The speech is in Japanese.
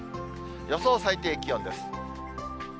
予想最低気温です。